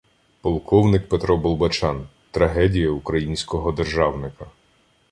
Полковник Петро Болбочан: трагедія українського державника.